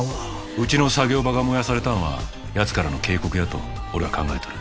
うちの作業場が燃やされたんは奴からの警告やと俺は考えとる。